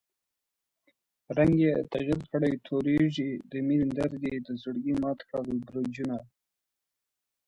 رنګ ئې تغير کړی تورېږي، دمېنی درد ئې دزړګي مات کړل برجونه